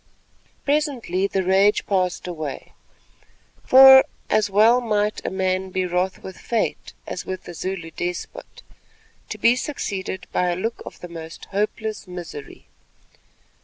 Presently the rage passed away—for as well might a man be wroth with fate as with a Zulu despot—to be succeeded by a look of the most hopeless misery.